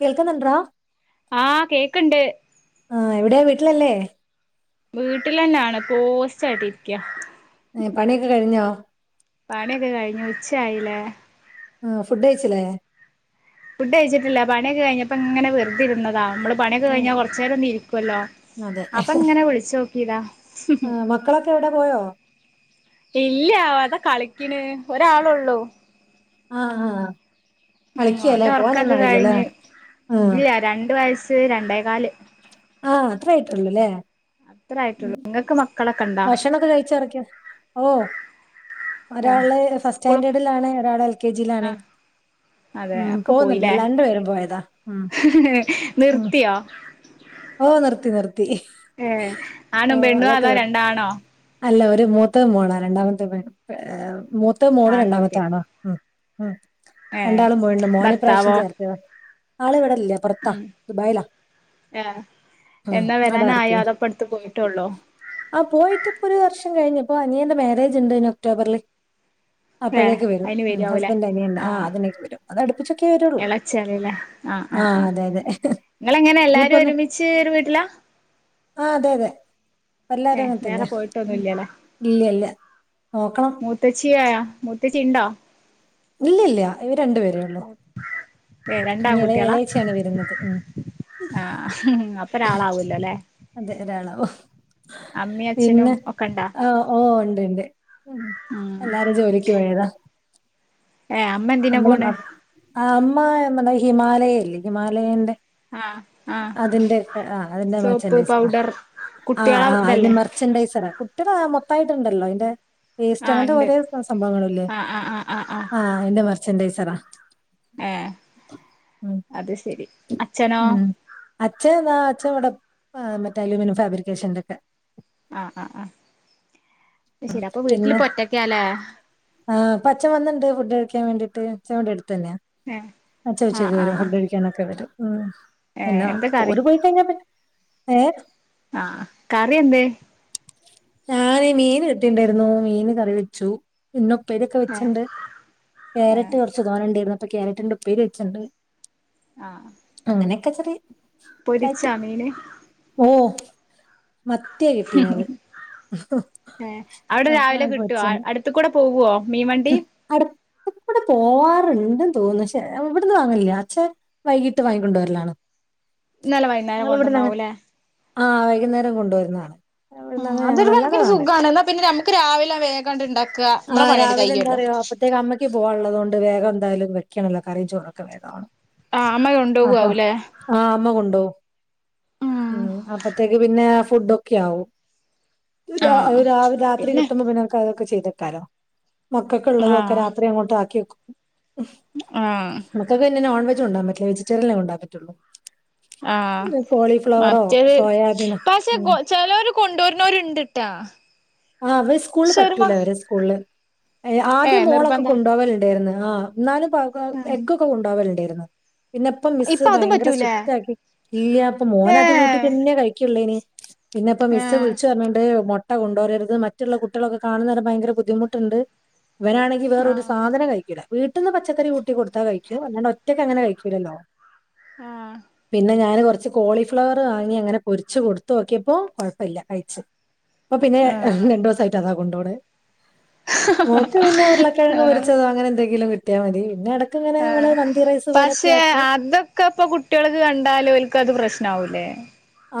കേൾക്കുന്നുണ്ടാറാ? ആഹ് കേക്ക്ണ്ട് ആഹ് എവിടെ വീട്ടിലല്ലേ? വീട്ടിൽ ന്നെയാണ് പോസ്റ്റ് ആയിട്ട് ഇരിക്ക. ഏഹ് പണിയൊക്കെ കഴിഞ്ഞോ? പണിയൊക്കെ കഴിഞ്ഞു ഉച്ചായില്ലേ. ആഹ് ഫുഡ് കയിച്ചില്ലേ? ഫുഡ് കഴിച്ചിട്ട് ഇല്ല പണി ഒക്കെ കഴിഞ്ഞപ്പോ ഇങ്ങനെ വെറുതാ ഇരുന്നതാ നമ്മള് പണിയൊക്കെ ഉം കഴിഞ്ഞാ കൊറച്ച നേരം ഒന്ന് ഇരിക്കല്ലോ അതെ അപ്പൊ ഇങ്ങനെ വിളിച്ചു നോക്കിയതാ ആ, മക്കളൊക്കെ എവിടെ പോയോ ഇല്ല അത കളിക്കിന് ഒരാള് ഉള്ളൂ ആഹ ആഹ ഉം അവന്റെ ഉറക്കൊക്കെ കഴിഞ്ഞ് ആ ഇല്ല രണ്ട വയസ് രണ്ടേക്കാല് ആഹ അത്ര ആയിട്ടള്ളൂ അല്ലേ അത്രയിട്ടുള്ളൂ നിങ്ങൾക്ക് ഭക്ഷണംഒക്കെ കഴിച്ചറക്കഓ ആഹ് ഒരാള് ഫസ്റ്റ് സ്കൂള് സ്റ്റാൻഡേർഡിൽ ആണ് ഒരാൾ എൽ കെ ജിയിൽ ആണ് ആഹ് അതെ ഉം ഒക്കെ പോയില്ലേ പോവുന്നുണ്ടല്ല രണ്ടു പേരും പോയതാ ഉം ഉം നിർത്തിയോ ഓ നിർത്തി നിർത്തി ഏ ഓ ആണും പെണ്ണും അതൊക്കെ അതോ നിർത്തി രണ്ടാണോ അല്ല ഒരു മൂത്ത മോളാ രണ്ടാമത്തെ മൂത്ത മോള് രണ്ടാമത്തെ ആൺകുട്ടി ആണു ആ ഉം ഉം ഏ രണ്ടാളും പോവ്ണ്ട് മോനെ ഇപ്രാവശ്യം ഭർത്താവോ ചേർത്തി ആള് ഇവടല്ല പുറത്താ ദുബായിലാ ആഹ ഉം എന്നാ ആടെ വരാൻ വർക്ക് ആയോ ചെയ്യ അതോ ഇപ്പടുത്തു പോയിട്ടള്ളോ ആ പോയിറ്റ് ഇപ്പോ ഒരു വർഷം കഴിഞ്ഞു ഇപ്പോ അനിയന്റെ മാരേജ് ഇണ്ട് ഇനി ഒക്ടോബറില് ഏ അപ്പോഴേക്ക് വരും അയിന് വരാവൂലേ ഹസ്ബൻഡിൻ്റെ അനിയൻ്റെ ആ ആഹ് അതിനേക്ക് വരും അത് അടുപ്പിച്ചൊക്കെ വരുള്ളൂ. ഇളച്ചനല്ലേ ആഹ് അതെ അതെ ഇങ്ങള് എങ്ങനെയാ എല്ലാരും ഒരുമിച്ച് ഒരു വീട്ടിലാ ആഹ് അതെ അതെ ഏ എല്ലാരും അങ്ങെനെ വേറെ തന്നെയാ പോയിട്ടൊന്നും ഇല്ലല്ലേ ഇല്ല ഇല്ല നോക്കണം മൂത്തച്ചിയോ മൂത്തച്ചിണ്ടാ ഇല്ല ഇല്ല ഇവര് രണ്ടുപേരെള്ളൂ ഏഹ് രണ്ടാകുട്ടിയേളാ ഇളയച്ചിയാണ് വരുന്നത് ഉം ആഹ് അപ്പൊരാളാവല്ലോല്ലേ അതെ ഒരാളാവും അമ്മയും അച്ഛനും ഒക്കെ ഇണ്ടാ ആഹ് ഓഹ് ഇണ്ട്ണ്ട് ഉം ഉം എല്ലാരും ജോലിക്ക് പോയതാ ഏഹ് അമ് നമ്മളും ആഹ് അമ്മ ഇമ്മളെ ഹിമാലയല്ലേ ഹിമാലയേന്റെ ആ ആ അതിന്റെ ആഹ് അതിന്റെ സോപ്പ് മെച്ചന്റെയിസെറാ പൗഡർ ആഹ് കുട്ടികളെ ആഹ് അയിൻ്റെ ഇതല്ലേ മെർ ച്ചെന്റെസറാ കുട്ടിയളെ മൊത്തായിട്ടുണ്ടല്ലോ അതിന്റെ പേസ്റ്റ് ആഹ് അങ്ങനത്തെ ഉണ്ട് ഒരെ സംഭവങ്ങളില്ലേ ആഹ് അതിന്റെ മെർച്ചൻ്റെയിസെറാ ഏഹ് അത് ശരി അച്ഛനോ ഉം അച്ഛനിതാ അച്ഛൻ ഇവിടെ മ് മറ്റേ അലൂമിനിയം ഫാബ്രിക്കേഷന്റെ ഒക്കെ ആഹ് ആഹ് ആഹ് അത് ശരി അപ്പൊ വീട്ടില് ഇപ്പൊ ഒറ്റക്കാല്ലേ ആഹ് ഇപ്പൊ അച്ഛൻ വന്നിണ്ട് ഫുഡ് കഴിക്കാൻ വേണ്ടിട്ട് അച്ഛൻ ഇവിടെ അടുത്ത് തന്നെയാ ഏഹ് അച്ഛൻ ആഹ് ഉച്ചക്ക് ആഹ് വെരും ആഹ് ഫുഡ് കഴിക്കാനൊക്കെ വെരും ഉം ഏഹ് പിന്നെ എന്താ കറി ഓര് പോയി കയിഞ്ഞാ പിന്നെ ഏഹ് ആഹ് കറി എന്തേ? ഞാന് മീൻ കിട്ടീട്ടുണ്ടായിരുന്നു മീന് കറി വെച്ചു പിന്നെ ഉപ്പേരി ഒക്കെ ഏഹ് വെച്ചിണ്ട് ഏഹ് ക്യാരറ്റ് കൊറച്ച് ച്ച് തോനെ ഉണ്ടായിരുന്നു അപ്പൊ ക്യാരറ്റിന്റെ ഉപ്പേരി വെച്ച്ണ്ട് ആഹ് ആഹ് അങ്ങനെയൊക്കെ ചെറിയ പൊരിച്ചാ മീന്? ഓഹ് മത്തിയാ കിട്ട് ഏഹ് അവിടെ ആ ആ രാവിലെ കിട്ടോ അടു ത്ത്കൂടെ പോവോ മീൻ വണ്ടി അടുത്തു കൂടെ പോവാറുണ്ട് തോനുന്ന് പക്ഷേ ഇവിടന്ന് വാങ്ങാറില്ല അച്ഛൻ വൈകീട്ട് വാങ്ങിക്കൊണ്ട് വരലാണ് ഇന്നലെ വൈനേരം കൊണ്ടന്നാവൂല്ലേ? ആഹ് വൈകുന്നേരം കൊണ്ടുവരുന്നതാണ് ഉം ഇവിടെന്ന് ഞങ്ങൾ അതൊരു അല്ലാതെ കണക്കിന് വാങ്ങലില്ല സുഖാണ് എന്നാ പിന്നെ ഞമ്മക്ക് രാവിലെ വേഗാണ്ട് ഇണ്ടാക്കാ മ്മളെ പണിയങ്ങട് കയ്യെല്ലോ തെ അമ്മയ്ക്ക് പോവാന്ള്ളത് കൊണ്ട് വേഗം എന്തായാലും വെക്കണല്ലോ കറി ചോറെക്കെ വേഗാവണം ആഹ് അമ്മ കൊണ്ടോവാവുല്ലേ ആഹ് അമ്മ കൊണ്ടോവും ഉം അപ്പത്തേക്ക് പിന്നെ ഫുഡൊക്കെ ആവും [unintelligible] രാ ആഹ് രാ രാ രാത്രി പിന്നെ കിട്ടുമ്പോ പിന്നെനക്ക് അതൊക്കെ ചെയ്തെക്കാലോ മക്കക്ക് ഇള്ളതൊക്കെ ആഹ് രാത്രി അങ്ങോട്ട് ആക്കി വെക്കും ആഹ് മക്കക്ക് പിന്നെ നോൺ വെജ് കൊണ്ടോവാൻ പറ്റില്ല വെജിറ്റേറിയൻ അല്ലേ കൊണ്ടോവാൻ പറ്റുള്ളു ആഹ് മറ്റേത് സോയാബീനോ പക്ഷെ ഉം കോ ചെലോര് കൊണ്ടോരണവര്ണ്ട് ട്ടാ ആഹ് ഇവര് സ്കൂളിൾ പറ്റൂല ഇവരെ സ് സ്കൂള് ഏഹ് ആദ്യം മോളൊക്കെ കൊണ്ടോവലുണ്ടായിരുന്നു ആഹ് ഇന്നാലും പാഗൗ ആഹ് എഗ്ഗ് ക്കെ കൊണ്ടകലുണ്ടായിരുന്നു പിന്നെ ഇപ്പം മിസ്സ് ഇപ്പൊ അതും ഭയങ്കര പറ്റൂലേ സ്ട്രിക്റ്റാ ക്കി ഇല്ല്യ ഇപ്പ മോനത് ഏഹ് കൂട്ടിട്ട്ന്നെ കഴിക്കുള്ളയിനി. പിന്നെപ്പ മിസ് ഏഹ് വിളിച്ചു പറഞ്ണ്ട് മൊ- ട്ട കൊണ്ടോവരരുത് മറ്റുള്ള കുട്ടികളൊക്കെ കാണുന്നേര ഭയങ്കര ബുദ്ധിമുട്ടുണ്ട്. ഇവനാണെങ്ക് നി വേറൊരു ആഹ് സാധനനം കഴിക്കൂല്ല വീട്ടീന്ന് പച്ചക്കറി കൂട്ടി കൊടുത്താൽ കഴിക്കും അങ്ങനെ ഒറ്റക്കങ്ങനെ കഴിക്കുല്ലല്ലോ ഹാ.. പിന്നെ ഞാന് കുറച്ച് കോളിഫ്ലവർ വാങ്ങി അങ്ങനെ പൊരിച്ച്കൊടുത്തു നോക്കിയപ്പോ കൊഴപ്പമില്ല കഴിച്ചു ഇപ്പ പിന്നെ ആഹ് രണ്ടു ദിവസായിട്ട് അതാകൊണ്ടുപോണെ മോക്ക് പിന്നെ ഉരുളകിഴങ്ങ് പൊരിച്ചതോ അങ്ങനെ എന്തെങ്കിലും കിട്ടിയാ മതി പിന്നെ ഇടക്ക്ങ്ങനെ നമ്മള് മന്തി റൈസ് പോലെ [inaudible] അതൊക്കെപ്പൊ കുട്ടികൾക്ക് കണ്ടാല് ഓൽക്ക് അത് പ്രശനാവുല്ലേ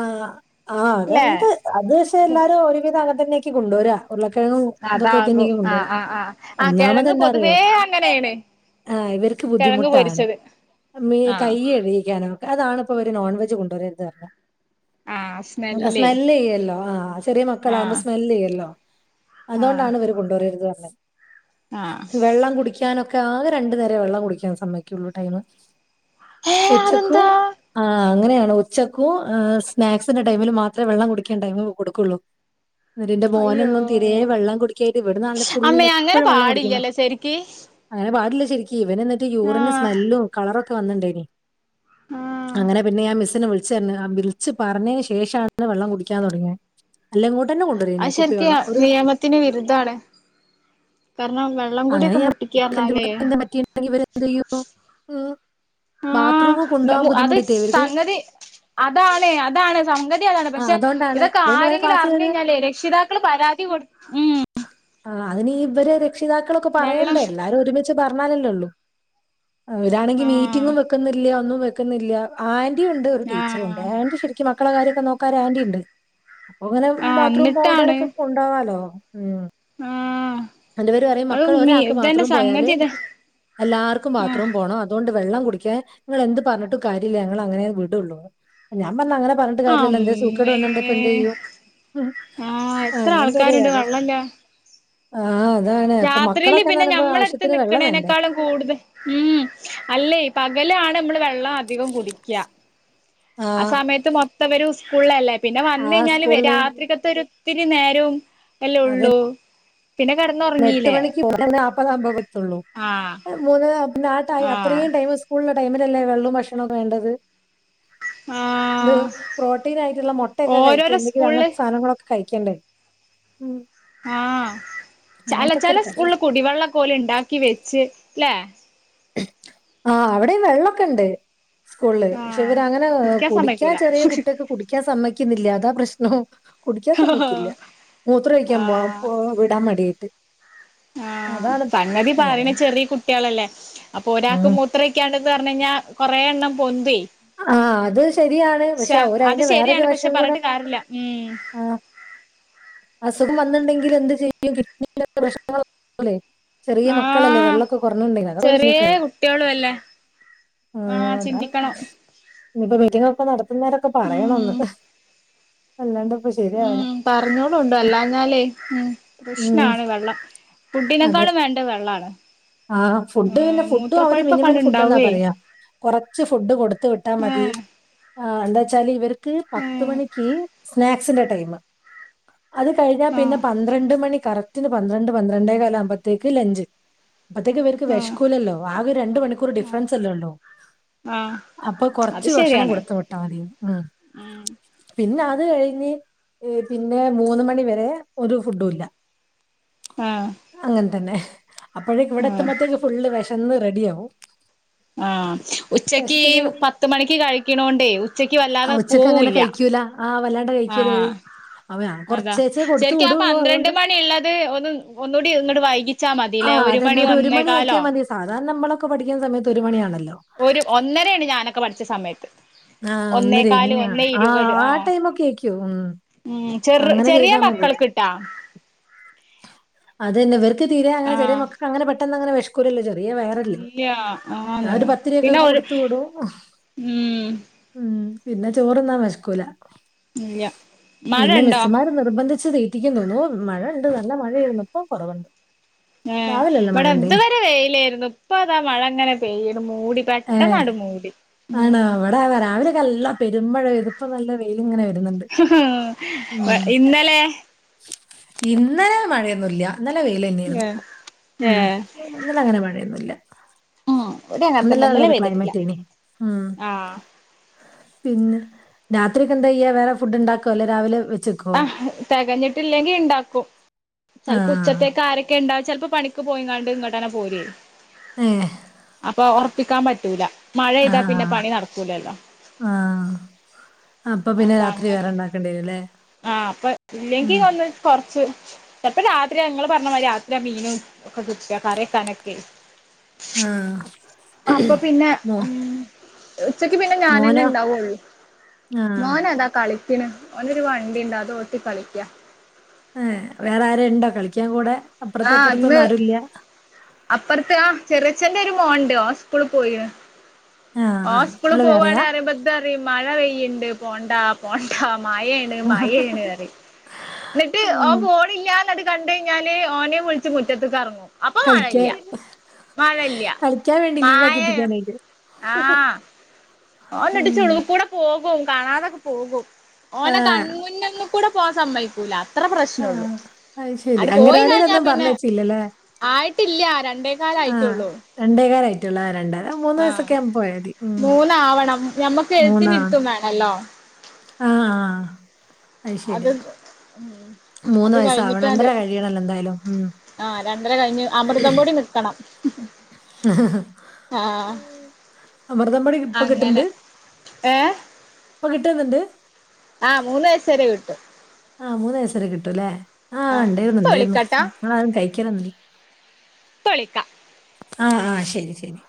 ആഹ് ആഹ അതെന്ത്‌ അത് പക്ഷെ എല്ലാരും ഒരുവിധം അങ്ങനെതന്നെക്കികൊണ്ടുവരാ ഉരുളക്കിഴങ്ങുതൊക്കെത്തെന്നെ അതാകും ഇങ്ങ് ആഹ് കൊണ്ടുവരാ ആഹ് ആഹ് ആഹ് ഒന്നാമത് കെഴങ്ങ് എന്താ അറിയോ? പൊതുവേ അങ്ങനേണ് ആഹ് ഇവർക്ക് കിഴങ്ങ് ബുദ്ധിമുട്ടാണ് പൊരിച്ചത് മി കൈ കഴികി ക്കാനോ അതാണ് ഇപ്പൊ ഇവര് നോൺവെജ് കൊണ്ടു വരെരെരുത് പറഞ്ഞ ആഹസ് ഹ് സ്മെല്ല് ചെയ്യല്ലോ ഹാ ചെറിയ ആ മക്കളാവുമ്പോ സ്മെല്ല് ചെയ്യല്ലോ ആ അതുകൊണ്ടാണ് ഇവരെ കൊണ്ടെവരരുത് പറഞ്ഞെ ആ വെള്ളം കുടിക്ക് - ഞാനൊക്കെ ആകെ രണ്ടു നേരെ വെള്ളം കുടിക്കാൻ സമ്മയിക്കുള്ളൂ ടൈംമ് ഏ ഉച്ചക്കു അതെന്താ ആഹ അങ്ങനെയാണ് ഉച്ചക്കു ആഹ് സ്നാക്സിന്റെ ടൈമിൽ മാത്രേ വെള്ളം കുടിക്കാൻ ടൈമ് കൊടുക്കുള്ളൂ ന്നേരിന്റെ അയ്യോ മോനൊന്നും തീരെ വെള്ളം കുടിക്കായിട്ട് ഇവിടന്നാണ ല്ലോ ഫുള് അമ്മേ അങ്ങനെ എപ്പഴും വെള്ളം കുടിക്കുന്ന പാടില്ലല്ലോ ശരിക്ക് അങ്ങനെ പാടില്ല ശരിക്ക് ഇവന് എന്നിട്ട് ആ യൂറിന് സ്മെല്ലും കളറൊഒക്കെ വന്നിണ്ടായിനി ആ അങ്ങനെ പിന്നെ ഞാൻ മിസ്സിനെ വിളിച്ച് പറഞ്ഞ് ആംബി വിളിച്ച് പറഞ്ഞേനെ ശേഷാണ് വെള്ളം കുടിക്കാൻ തുടങ്ങിയേ അല്ലേഉടനെ കൊണ്ടരയിനി കുപ്പി വെള്ളം ഒരു- ത്തിന് വിരുതാണ് കാരണം വെള്ളംകുടിഒക്കെ മുട്ടിക്കാ ന്ന്പറ ഞ്ഞാലെ [unintelligible] ഇവരെ എന്തോ യും ഉ ആഹ് ഉം ഉം അത് ഇവർക്ക് സംങ്ങതി അതാണ് അതാണ് സംഗതി അതാണ് ആഹ് പക്ഷെ അതോണ്ടാണ് ഇതൊക്കെ പറയുമ്പോ അവരെ ആരെങ്കിലു അറിഞ്ഞ് ക്ലാസ്സുകാര് കഴിഞ്ഞാലേ രക്ഷിതാക്കള് പരാതി കൊടു ഊമ് ആഹ അതിനി ഇവരെ രക്ഷിതാക്കളൊക്കെ വെള്ളം പറയണ്ടേ എല്ലാരും ഒരുമി- മിച്ച് പറഞ്ഞാലല്ലൊള്ളു ഇവ ണെങ്കിൽ മീറ്റിങ്ങും ആ വെക്കുന്നില്ല ഒന്നും വെക്കുന്നില്ല ആൻ- [unintelligible] യുണ്ട് ഒരു ടീച്ചറുണ്ട് ആ ആന്റിശരിക്കും മക്കള കാര്യക്കാ നോക്കാ ഒരു ആന്റി ഇണ്ട് അപ്പൊങ്ങനെ ആഹ് ബാത്റൂം എന്നിട്ടാണ് പോവണ്ടവരൊക്കെ കൊണ്ടവാലോ. ഉം ആ.. ഹ് ആന്റിമാര് പറയും മക്കൾ ഒരാക്ക് ബാത്റൂം പോയാല് ഇതാ എല്ലാർക്കും ആഹ് ബാത്റൂം പോകണംഅത് തുകൊണ്ട് വെള്ളം കുടിക്കാൻ ങ്ങളെന്ത് പറഞ്ഞിട്ടും കാര്യല്ല. ഞങ്ങളങ്ങനെ വിടുള്ളൂ. ഞാൻ പറഞ്ഞ അങ്ങനെ പറഞ്ഞിട്ട് ട്ട് കാര്യല്ലല്ലൊ എന്തേ സൂക്കട് അമ്മേ വന്നണ്ട് ഇപ്പ എന്ത് ചെയ്യും ഹും ആഹ് എത്ര അങ്ങ ആൾക്കാരുണ്ട് [unintelligible] വെള്ളല്ല ആഹ അതാണ് അപ്പൊ രാത്രിയില് മക്കളൊക്കെന്നറീമ്പോ ആവശ്യത്തിന് വെള്ളം വേണ്ടേ കൂടുത ഉഉം അല്ലേ പകലാണ് നമ്മള് വെള്ളം അധികം കുടിക്ക്യ ആ സമയത്ത് മൊത്തംവര് സ്കൂളല്ലേ. പിന്നെ ആ വന്ന് കഴിഞ്ഞാല് വ സ്കൂളില് രാത്രിക്കത്തൊരു ത്തിരി നേരവും എല്ലാഉള്ളൂ പിന്നെ കടന്ന എട്ട് മണിക്ക് പോ [unintelligible] നാൽപതാവുമ്പോ എത്തുള്ളു ആഹ് മൂന്ന് ആപ്നാട്ട ആഹ് അത്രയും ടൈം സ്കൂളിലെ ടൈമിലല്ലേ വെള്ളവും ഭക്ഷണോവേണ്ടത് ഇത് ആഹ് പ്രോട്ടീനായിട്ടുള്ള മുട്ടയൊക്കെ കഴിക്ക്യ ഓരോരോ എന്തെങ്കിലും സ്കൂളില് അങ്ങനത്തെ സാധനങ്ങളൊക്കെ കഴിക്കണ്ടേഉം ആഹ് ചല ചില ഒരു കഥയാ. സ്കൂളില് കുടിവെള്ളൊക്ക ഓല് ഉണ്ടാക്കി വെച്ച്. ല്ലേ [unintelligible] ആഹ അവിടെയും വെള്ളോക്കെണ്ട് സ്കൂളില് പക്ഷെ ആഹ് ഇവര് അങ്ങനെ കുടിക്കാൻ സമ്മയ്ക്കൂല ചെറിയ കുട്ട്യാക്ക് കുടിക്കാൻ സമ്മക്കുന്നില്ല അതാ പ്രശ്നവുംഹ് ഹ് ഹ കുടിക്കാൻ ആഹ് സമ്മയിക്കില്ല മൂത്ര ഒഴിക്കാൻ പോ വിടാൻ മടിയിട്ട് ആ സംങ്ങതി പറയണ ചെറിയ കുട്ട്യാളല്ലേ അപ്പൊ ഉം. ഒരാൾക്ക്മു എത്രക്കാണ്ടന്ന് പറഞ്ഞ കഴിഞ്ഞാ കൊറെ എണ്ണം പൊന്തി ആ അത് ശരിയാണ്. ശ പക്ഷെ അത് ഓരയിന്റെ വേറൊരു ശരിയാണ് പക്ഷെ വശം കൂടെ പറഞ്ഞിട്ട് ക്യാരില്ല ഉം ആ അസുഖം വന്നിണ്ടെങ്കിൽ എന്ത് ചെയ്യും [inaudible] ചെറിയ മക്കളല്ലേ ആഹ് വെള്ളമൊക്കെ കുറഞ്ഞണ്ടെ ചെറിയ [inaudible] കുട്ടികളും അല്ലേ ആഹ് ചിന്തിക്കണം ഇയിപ്പോ മീറ്റിംഗൊക്കെ നടത്തുന്നവരൊക്കെ പറയണന്ന് ഉം അല്ലാണ്ട് ഇപ്പൊ ശരിയാവന പറഞ്ഞോടും ഉണ്ടോ അല്ലാ എന്നാലേ ഉം ഉം പ്രശ്നാണ് വെള്ളം ഫുഡിനേക്കാളും വേണ്ട വെള്ളമാണ് ആഹ് ഫുഡ് പിന്നെ ഫുഡും അവര് മിനിമൽ ഫുഡ് എന്നാ അങ്ങ്ണ്ടാവേ പറയാ കുറച്ച് ഫുഡ് കൊടുത്ത വിട്ടു എട്ടാ മതി ഏഹ് എന്താ വച്ചാൽ ഇവർക്ക് പത്ത് ഏഹ് മണിക്ക് സ്നാക്സിന്റെ ടൈം അത് കഴിഞ്ഞാ പിന്നെ ആഹ് പന്ത്രണ്ട് മണി കറക്റ്റന് പന്ത്രണ്ട് പന്ത്രണ്ടേ കാല് ആകുമ്പോഴത്തേക്ക് ലഞ്ച് അപ്പത്തേക്ക് ഇവര്ക്ക് ആഹ് വിശകൂലല്ലോ ആക ഒരു രണ്ട് മണിക്കൂർ ആഹ് ഡിഫറൻസ് അല്ലോ ഉള്ളു ആഹ് അപ്പൊ അത് കൊറച്ച് ഭക്ഷണം ശരിയാണ് കൊടുത്ത വിട്ട ട്ടാതി പിന്നെ അത് കഴിഞ്ഞ് പി പിന്നെ മൂന്ന് മണിവരെ ഒരു ഫുഡും ഇല്ല ആഹ് അങ്ങനെ തന്നെ അപ്പോഴേക്ക് ഇവിടെ ആഹ് എത്തുമ്പോഴത്തേക്ക് ഫുള്ള് വിശന്ന് റെഡി ആകും ആഹ് ഉച്ചക്ക് പത്ത് മണിക്ക് കഴിക്കണോണ്ടേ ഉച്ചക്ക് ആ വല്ലാതെ ഉച്ചക്ക് അങ്ങനെ പോവൂല്ല കഴിക്കൂല ആഹ് വല്ലാണ്ട കഴിക്കലോര് ആഹ് അതാ ശരിക്ക ആഹ് പന്ത്രണ്ട് അതുകൊണ്ട് മണിയ ഉള്ളത് ഒന്ന് ഒന്നുകൂടി ഒന്നോട്ടട് വൈകി ഉച്ചാ ആ മതില്ലേ ഒരു അതന്നെ മണി ഒരു ഒന്നേക്കാലോ മണിയാക്കിയാൽ മതി സാധാരണ നമ്മളൊക്കെ പഠിക്കുന്ന സമയത്ത് ഒരു മണിയാണല്ലോ ഒരു ഒന്നരയാണ് ഞാനൊക്കെ പഠിച്ച സമയത്ത് ആഹ് ഒന്നര ഒന്നേകാല് ഒന്നേ ആഹ് ഇരുപത് ആഹ് ടൈമ ഒക്കെ ആയിക്കും ഉം ഉം ചെറ അങ്ങനെ ചെറിയ ചെയ്താൽ മതി മക്കൾ കിട്ടാ അതന്നെ ഇവർക്ക് തീരെ ആഹ് അങ്ങനെറിയക്ക് അങ്ങനെ പെട്ടെന്ന് അങ്ങനെ വി ല്ലേ ചെറിയ വയറല്ലേ ഇല്ല ആന്ന് ഒരു പത്തിരക്കെ പിന്നെ ഒരു കൊടുത്ത് വിടും ഉം ഉം പിന്നെ ചോറന്നാ വെശക്കൂല ഇല്ല മഴ പിന്നെ ഉണ്ടോ മിസ്സുമാർ നിർബന്ധിച്ച് തീറ്റിക്കൻ തോന്നുന്നു മഴ ഉണ്ട് നല്ല മഴയുന്നപ്പോ കുറവുണ്ട് ആഹ് രാവിലെ അല്ല ഇവിട മഴ ഉണ്ടേനി ഇതുവരെ വെയിലായിരുന്നു ഇപ്പ അതാ മഴ അങ്ങനെ പെയ്യും മൂടി പെട്ട നടുമൂടി ആണ് അവിടെ രാവിലെക്കെല്ലാം പെരുമഴോ ഇതിപ്പ നല്ല വെയില ഇങ്ങനെ വരുന്നുണ്ട് ഉം ഇന്നലെ ഇന്നലെ മഴയൊന്നുല്ല്യ ഇന്നലെ വെയിലന്നെരുന്നു ഏ ഏ ഉം ഇന്നലെ അങ്ങനെ മഴയൊന്നുംല്ല [unintelligible] ഇന്നലെ നല്ലൊരു പെയ്തിട്ടില്ല ക്ലൈമറ്റ് ഏണി ഉം ആഹ് പിന്നെ രാത്രിക്ക് എന്താ ചെയ്യ വേറെ ഫുഡ് ഉണ്ടാക്കുവോ അല്ലേ രാവിലെ വെച്ച് ആഹ് തെകഞ്ഞിട്ടില്ലെങ്കി ഉണ്ടാക്കും ആ ചിലപ്പോ ഉച്ചത്തേക്ക് ആരങ്ക് ഒക്കെണ്ടാവും ചിലപ്പോ പണിക്ക് പോയിങ്ങാണ്ട് ഇങ്ങോട്ടന്നെ പോര്വേ ഏ അപ്പൊ ഒറപ്പിക്കാൻ പറ്റൂല മഴപെയ്താ പിന്നെ പണി നടക്കൂലല്ലോ ആഹ് അപ്പൊ പിന്നെ രാത്രി വേറെ ഉണ്ടാക്കേണ്ടി വരുംല്ലേ ആഹ് അപ്പൊ ഇല്ലെങ്കി ഒന്ന് കൊറച്ച് ചലപ്പോ രാത്രി നിങ്ങള് പറഞ്ഞ മാതിരി രാത്രി ആഹ് മീനും ഒക്കെ കിട്ട്ക കറിവെക്കാനൊക്കെ ആ അപ്പൊ പിന്നെ മോ ഉം ഉച്ചക്ക് പിന്നെ ഞാനന്നെ മോനോ ഉണ്ടാവുള്ളൂ ആ മോനതാ കളിക്കണ് ഓന് ഒരു വൺ വണ്ടിണ്ട് അതോ ഓട്ടി കളിക്ക ഏഹ് വേറെ ആരൊണ്ടോ കളിക്കാൻ കൂടെ അപ്പുറത്ത് ആഹ് ഇന്ന് ഇപ്പുറത്തൊന്നും ആരുമില്ല അപ്പുർത്ത് ആഹ് ചെറിയച്ചന്റെ ഒരു മോൻണ്ട് ഓൻ സ്കൂളി പോയിന് ആ ആ ഓൻ സ്കൂള് നിങ്ങള് വേറെയാ പോവാണെ പറയുമ്പ ദ പറയും മഴ പെയ്യുണ്ട് പോണ്ട പോണ്ട ഥ മയേണ് മയേണ് പറയും എന്നിട്ട് ഉം ഓൻ പോണില്യന്നത് കണ്ട് കഴിഞാൽ ത് ഓനെ വിളിച്ച് മുറ്റത്ത് കറങ്ങും അപ്പൊ മഴല്യ കളിക്കാൻ മഴല്യ കളിക്കാൻ വേണ്ടി മായെ ലീവാക്കിപ്പിക്കാനായിട്ട് ആഹ് ഉം ഓനടിച്ചുളുവി കൂടെ പോകും കാണാതൊക്കെ പോകും ആ ഓനെ കൺമുന്നിന്ന് കൂടെ പോവാ സമ്മയ്ക്കൂല്ല അത്ര ആ പ്രശ്നൊള്ളൂ അത് ശെരി അങ്ങനവാടിലൊന്നും പറഞ്ഞയച്ചില്ല ല്ലേ ആയിട്ടില്ല ആഹ് രണ്ടേകാലായിട്ടുള്ളൂ രണ്ടേകാലായിട്ടുള്ള ആഹ് രണ്ടര മൂന്ന് ആഹ് വയസൊക്കെ ആകുമ്പ പോയ മതി ഉം മൂന്നാവണം ഞമ്മക്ക് എഴുത്തിന് ഇരുത്തും വേണല്ലോ ആഹ് ആഹ് അത് ഉമ് ഉമ് മൂന്ന് അത് വയസ്സാവണം കഴിഞ്ഞിട്ടാന്റ രണ്ടര കഴിയണല്ലോ എന്തായാലും ഉം ആഹ് രണ്ടര കഴിഞ് അമൃതം പൊടി മേ നിക്കണം ആഹ് അമൃതം പൊടി ഇപ്പ അങ്ങനെ കിട്ടണ്ട് ഏഹ് ഇപ്പൊ കിട്ടുന്നുണ്ട് ആഹ് മൂന്ന് വയസ് വരെ കിട്ടും ആഹ് മൂന്ന് വയസ് വരെ കിട്ടും ല്ലേ ആഹ് ഉണ്ടെരുന്നു ഇപ്പ ഉണ്ടെരുന്നു വിളിക്കാട്ടാ നമ്മളാരും കഴിക്കലൊന്നുല്ല പ്പ വിളിക്ക ആഹ് ആഹ് ശരി ശരി